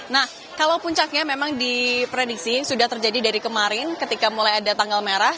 nah kalau puncaknya memang diprediksi sudah terjadi dari kemarin ketika mulai ada tanggal merah